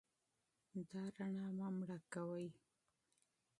دا رڼا مه مړه کوئ.